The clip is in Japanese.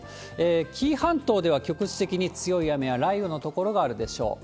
紀伊半島では局地的に強い雨や雷雨の所があるでしょう。